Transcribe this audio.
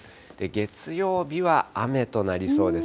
月曜日は雨となりそうです。